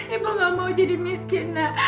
ibu gak mau jadi miskin nak